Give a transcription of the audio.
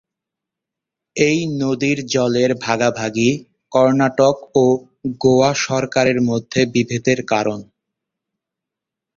এই নদীর জলের ভাগাভাগি কর্ণাটক ও গোয়া সরকারের মধ্যে বিবাদের কারণ।